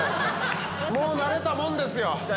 もう慣れたもんですよ。